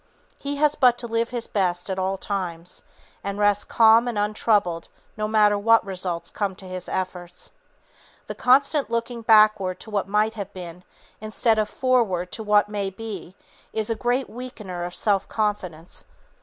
He has but to live his best at all times, and rest calm and untroubled no matter what results come to his efforts. The constant looking backward to what might have been, instead of forward to what may be, is a great weakener of self confidence.